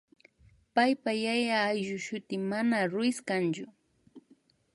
paypa yaya ayllushuti mana Ruíz kanchu